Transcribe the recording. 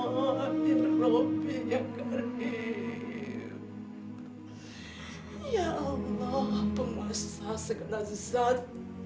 ya allah penguasa sekedar sesat